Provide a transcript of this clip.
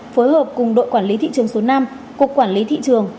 phối hợp cùng đội quản lý thị trường số năm cục quản lý thị trường